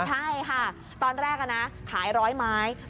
ใช่ค่ะตอนแรกนะขาย๑๐๐ไม้